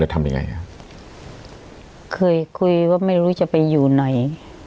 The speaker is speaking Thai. ทำยังไงฮะเคยคุยว่าไม่รู้จะไปอยู่ไหน